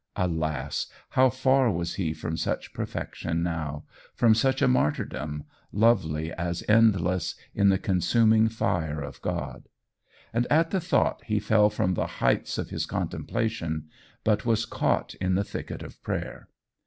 Alas! how far was he from such perfection now from such a martyrdom, lovely as endless, in the consuming fire of God! And at the thought, he fell from the heights of his contemplation but was caught in the thicket of prayer.